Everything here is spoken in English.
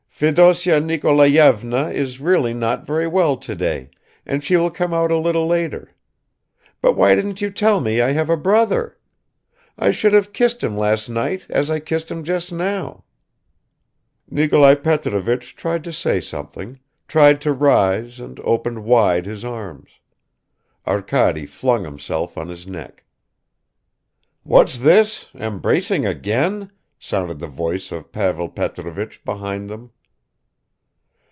"Fedosya Nikolayevna is really not very well today, and she will come out a little later. But why didn't you tell me I have a brother? I should have kissed him last night as I kissed him just now!" Nikolai Petrovich tried to say something, tried to rise and open wide his arms. Arkady flung himself on his neck. "What's this? Embracing again!" sounded the voice of Pavel Petrovich behind them.